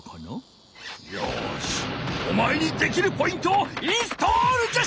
よしおまえにできるポイントをインストールじゃ！